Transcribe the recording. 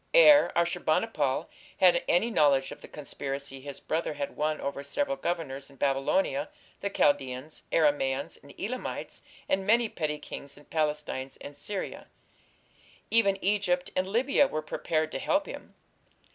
Ere Ashur bani pal had any knowledge of the conspiracy his brother had won over several governors in Babylonia, the Chaldaeans, Aramaeans and Elamites, and many petty kings in Palestine and Syria: even Egypt and Libya were prepared to help him.